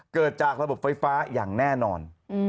เกิดจากระบบไฟฟ้าอย่างแน่นอน